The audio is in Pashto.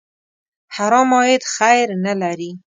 حرام عاید خیر نه لري.